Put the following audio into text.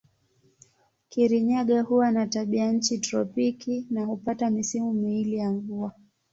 Kirinyaga huwa na tabianchi tropiki na hupata misimu miwili ya mvua.